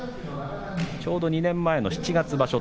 ちょうど２年前の七月場所